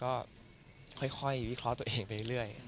ก็จะพยายามดูแล้วก็ค่อยวิเคราะห์ตัวเองไปเรื่อย